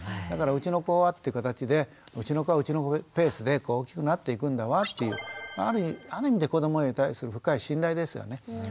だから「うちの子は」って形で「うちの子はうちの子のペースで大きくなっていくんだわ」っていうある意味で子どもに対する深い信頼ですよね。